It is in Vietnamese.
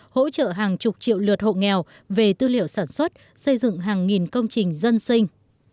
hỗ trợ hàng chục triệu lượt hộ nghèo về tư liệu sản xuất xây dựng hàng nghìn công trình dân sinh